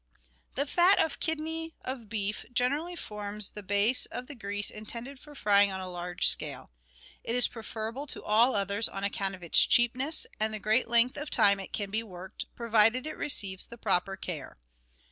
The fat of kidney of beef generally forms the base of the grease intended for frying on a large scale. It is preferable 124 GUIDE TO MODERN COOKERY to all others on account of its cheapness and the great length of time it can be worked, provided it receives the proper care.